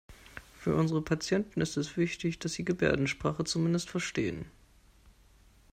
Für unsere Patienten ist es wichtig, dass Sie Gebärdensprache zumindest verstehen.